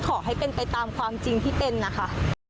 ขอให้เป็นไปตามความจริงที่เป็นนะคะ